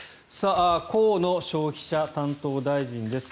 河野消費者担当大臣です。